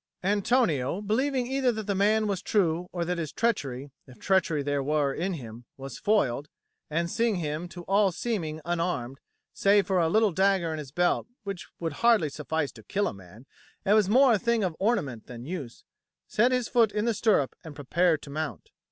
Antonio, believing either that the man was true or that his treachery if treachery there were in him was foiled, and seeing him to all seeming unarmed, save for a little dagger in his belt which would hardly suffice to kill a man and was more a thing of ornament than use, set his foot in the stirrup and prepared to mount.